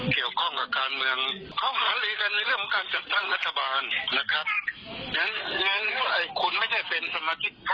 แก่วเข้ากับการเมือง